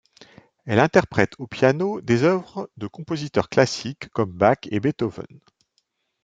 Elle interprète au piano des œuvres de compositeurs classiques comme Bach et Beethoven.